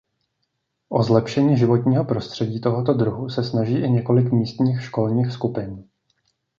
O zlepšení životního prostředí tohoto druhu se snaží i několik místních školních skupin.